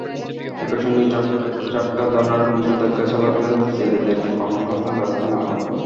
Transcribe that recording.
একই সঙ্গে জাটকা ধরার নিষেধাজ্ঞা চলাকালে জেলেদের কর্মসংস্থানের ব্যবস্থা নেওয়া হবে।